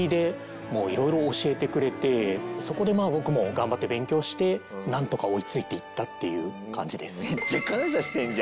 そこでまあ僕も頑張って勉強してなんとか追いついていったっていう感じです。